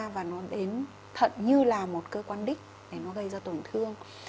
và nó đến thận như là một cơ quan đích để nó gây ra tổn thương